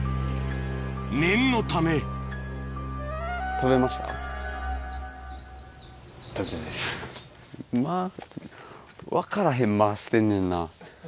念のため間分からへん間してんねんな。